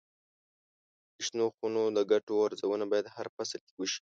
د شنو خونو د ګټو ارزونه باید هر فصل کې وشي.